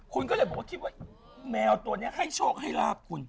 คุณก็เลยบอกว่าแมวตัวเนี่ยให้โชคให้รักคุณ